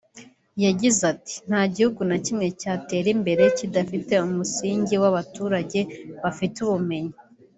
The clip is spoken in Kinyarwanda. yagize ati “ Nta gihugu na kimwe cyatera imbere kidafite umusingi w’abaturage bafite ubumenyi